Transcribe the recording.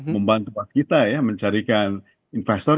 membantu waskita ya mencarikan investor